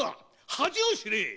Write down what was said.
恥を知れ！